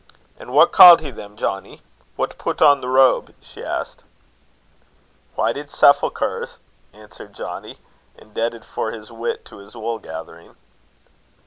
"An' what called he them, Johnnie, that put on the robe?" she asked. "Whited sepulchres," answered Johnnie, indebted for his wit to his wool gathering.